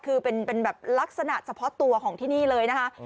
คือเป็นแบบลักษณะเฉพาะตัวของที่นี่เลยนะคะ